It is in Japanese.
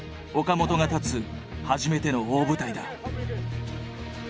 岡本が立つ初めての大舞台だ。